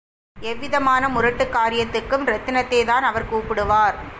எந்தவிதமான முரட்டுக் காரியத்துக்கும் ரத்தினத்தைத்தான் அவர் கூப்பிடுவார்.